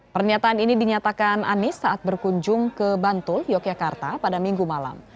pernyataan ini dinyatakan anies saat berkunjung ke bantul yogyakarta pada minggu malam